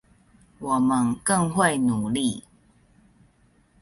我們更會努力